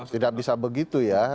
tidak bisa begitu ya